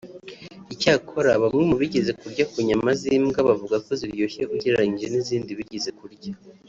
Icyakora bamwe mu bigeze kurya ku nyama z’imbwa bavuga ko ziryoshye ugereranyije n’zindi bigeze kurya